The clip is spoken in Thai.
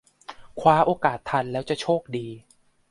คว้าโอกาสทันแล้วจะโชคดี